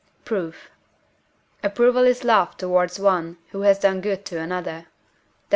Proof. Approval is love towards one who has done good to another (Def.